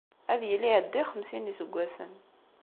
Ad yili iɛedda i xemsin n yiseggasen.